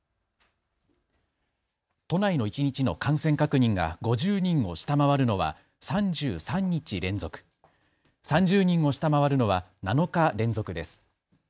都内の一日の感染確認が５０人を下回るのは３３日連続、３０人を下回るのは７日連続です。